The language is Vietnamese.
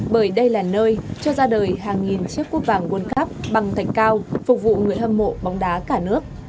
bởi đây là nơi cho ra đời hàng nghìn chiếc cúp vàng world cup bằng thạch cao phục vụ người hâm mộ bóng đá cả nước